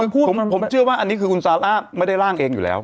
ผมเชื่อว่าอันนี้คือคุณซาร่าไม่ได้ร่างเองอยู่แล้ว